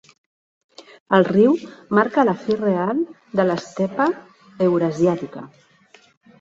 El riu marca la fi real de l'estepa eurasiàtica.